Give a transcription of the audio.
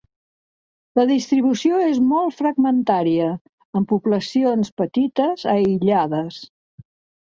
La distribució és molt fragmentària, amb poblacions petites aïllades.